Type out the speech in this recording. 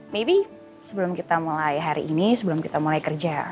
maybe sebelum kita mulai hari ini sebelum kita mulai kerja